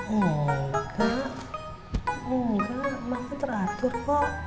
enggak enggak emangnya teratur kok